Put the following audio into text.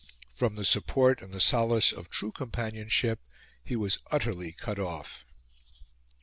From the support and the solace of true companionship he was utterly cut off.